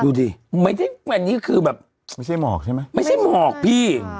ดูดิไม่ได้อันนี้คือแบบไม่ใช่หมอกใช่ไหมไม่ใช่หมอกพี่